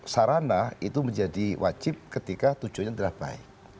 sarana itu menjadi wajib ketika tujuannya tidak baik